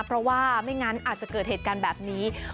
เพราะว่าไม่งั้นอาจจะเกิดเหตุการณ์แบบนี้